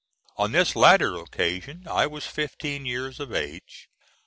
On this latter occasion I was fifteen years of age.